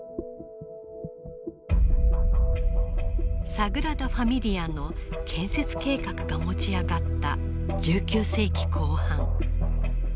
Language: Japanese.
サグラダ・ファミリアの建設計画が持ち上がった１９世紀後半。